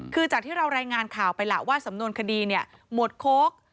คือจากที่เรารายงานข่าวไปล่ะว่าสำนวนคดีเนี่ยหมวดโค้ก